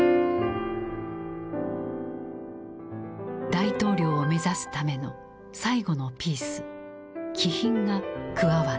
大統領を目指すための最後のピース気品が加わった。